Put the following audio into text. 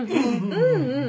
うんうん。